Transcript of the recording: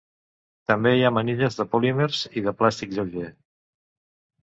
També hi ha manilles de polímers i de plàstic lleuger.